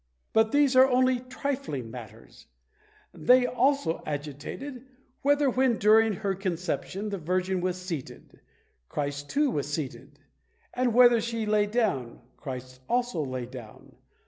But these are only trifling matters: they also agitated, Whether when during her conception the Virgin was seated, Christ too was seated; and whether when she lay down, Christ also lay down?